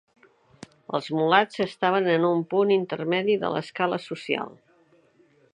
Els mulats estaven en un punt intermedi de l'escala social.